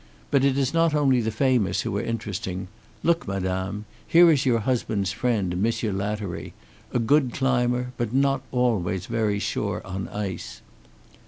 But it is not only the famous who are interesting. Look, madame! Here is your husband's friend, Monsieur Lattery a good climber but not always very sure on ice."